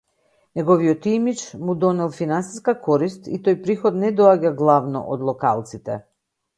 Неговиот имиџ му донел финансиска корист и тој приход не доаѓа главно од локалците.